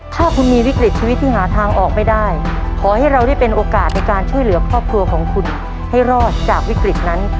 ถ้าคุณมีวิกฤตชีวิตที่หาทางออกไม่ได้ขอให้เราได้เป็นโอกาสในการช่วยเหลือครอบครัวของคุณให้รอดจากวิกฤตนั้น